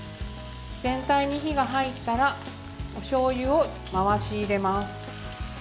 全体に火が入ったらしょうゆを回し入れます。